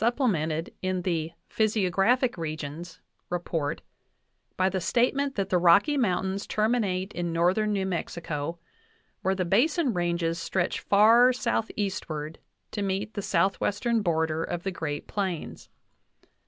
VIII plemented in the "Physiographic Regions" by the statement that the Rocky Mountains terminate in northern New Mexico, where the Basin Ranges stretch far southeastward to meet the southwestern border of the Great Plains.